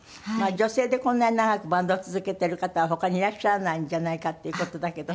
女性でこんなに長くバンドを続けている方は他にいらっしゃらないんじゃないかっていう事だけど。